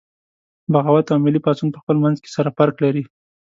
بغاوت او ملي پاڅون پخپل منځ کې سره فرق لري